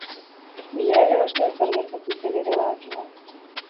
Bileraren ostean zer gertatu zen ere badakigu.